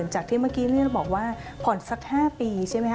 จากที่เมื่อกี้เราบอกว่าผ่อนสัก๕ปีใช่ไหมค